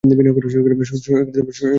শুনছো আমার কথা?